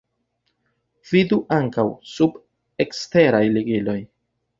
Vidu ankaŭ sub 'Eksteraj ligiloj'.